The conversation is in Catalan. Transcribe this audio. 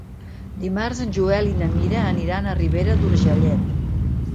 Dimarts en Joel i na Mira aniran a Ribera d'Urgellet.